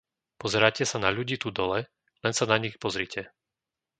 Pozeráte sa na ľudí tu dole, len sa na nich pozrite.